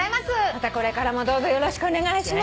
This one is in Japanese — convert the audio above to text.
またこれからもどうぞよろしくお願いします。